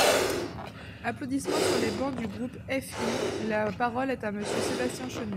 (Applaudissements sur les bancs du groupe FI.) La parole est à Monsieur Sébastien Chenu.